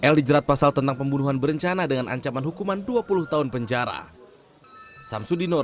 l dijerat pasal tentang pembunuhan berencana dengan ancaman hukuman dua puluh tahun penjara